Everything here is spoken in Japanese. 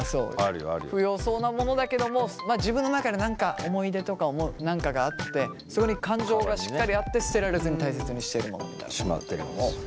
不要そうなものだけども自分の中で何か思い出とか何かがあってそこに感情がしっかりあって捨てられずに大切にしてるものみたいなものだったけども。